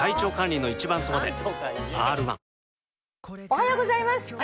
「おはようございます。